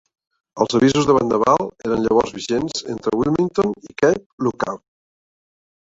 Els avisos de vendaval eren llavors vigents entre Wilmington i Cape Lookout.